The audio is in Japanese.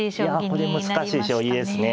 これ難しい将棋ですね。